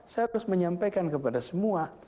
saya harus menyampaikan kepada semua